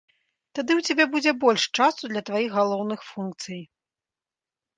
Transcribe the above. Тады ў цябе будзе больш часу для тваіх галоўных функцый.